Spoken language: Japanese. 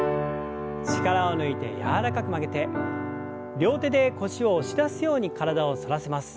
力を抜いて柔らかく曲げて両手で腰を押し出すように体を反らせます。